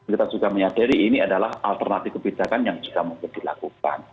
kita juga menyadari ini adalah alternatif kebijakan yang juga mungkin dilakukan